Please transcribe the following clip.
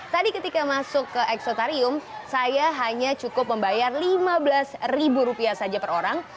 tadi ketika masuk ke eksotarium saya hanya cukup membayar lima belas ribu rupiah saja per orang